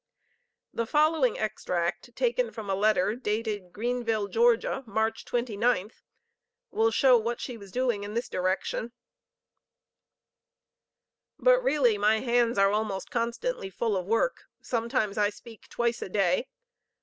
The following extract taken from a letter dated "Greenville, Georgia, March 29th," will show what she was doing in this direction: "But really my hands are almost constantly full of work; sometimes I speak twice a day.